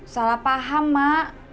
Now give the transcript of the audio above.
salah paham mak